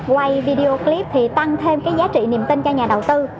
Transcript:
quay video clip thì tăng thêm cái giá trị niềm tin cho nhà đầu tư